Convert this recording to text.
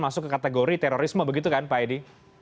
masuk ke kategori terorisme begitu kan pak edi